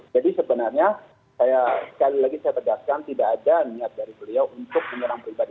sebenarnya sekali lagi saya tegaskan tidak ada niat dari beliau untuk menyerang pribadi